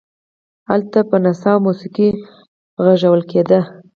هلته به نڅا او موسیقي غږول کېده.